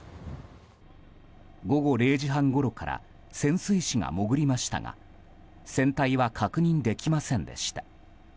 午後０時半ごろから潜水士が潜りましたが船体は確認できませんでした。